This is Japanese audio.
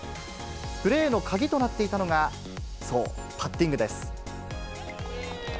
プレーの鍵となっていたのが、そう、パッティングです。